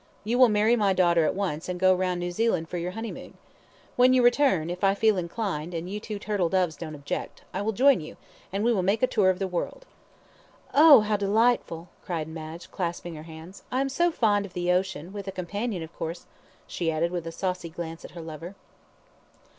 You will marry my daughter at once, and go round New Zealand for your honeymoon. When you return, if I feel inclined, and you two turtle doves don't object, I will join you, and we will make a tour of the world." "Oh, how delightful," cried Madge, clasping her hands. "I am so fond of the ocean with a companion, of course," she added, with a saucy glance at her lover.